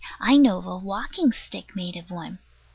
I know of a walking stick made of one.